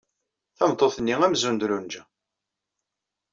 Tameṭṭut-nni amzun d Lunja.